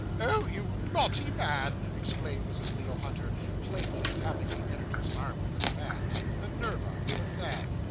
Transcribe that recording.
'Oh, you naughty man,' exclaimed Mrs. Leo Hunter, playfully tapping the editor's arm with her fan (Minerva with a fan!).